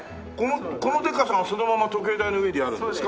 このでかさがそのまま時計台の上にあるんですか？